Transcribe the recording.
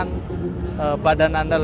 te prior bohong saya pengek